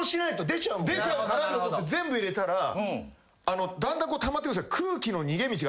出ちゃうかなと思って全部入れたらだんだんたまってくる。